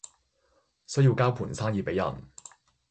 需要交盤生意畀人